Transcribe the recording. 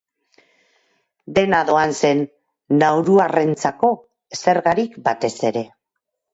Dena doan zen nauruarrentzako, zergarik batere ez.